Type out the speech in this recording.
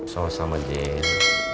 salam sama jin